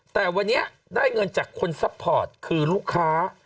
แต่วันนี้ได้เงินจากคนซัพพอร์ตคือลูกค้า